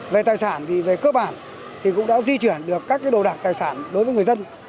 về tài sản thì về cơ bản thì cũng đã di chuyển được các đồ đạc tài sản đối với người dân